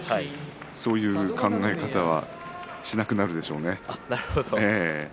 そういう考え方はしなくなるでしょうね。